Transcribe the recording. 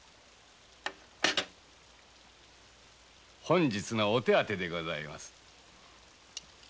本日のお手当でございます。